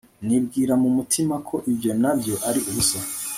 nibwira mu mutima ko ibyo na byo ari ubusa